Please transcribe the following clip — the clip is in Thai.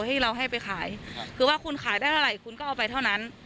ให้เราให้ไปขายคือว่าคุณขายได้เท่าไหร่คุณก็เอาไปเท่านั้น